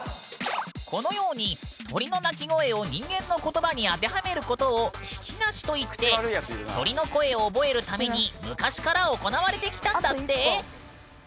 このように鳥の鳴き声を人間の言葉に当てはめることを「聞きなし」といって鳥の声を覚えるために昔から行われてきたんだって。